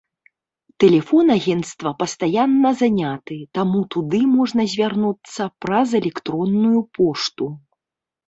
Тэлефон агенцтва пастаянна заняты, таму туды можна звярнуцца праз электронную пошту.